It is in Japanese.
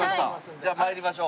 じゃあ参りましょう。